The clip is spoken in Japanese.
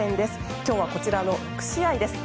今日はこちらの６試合です。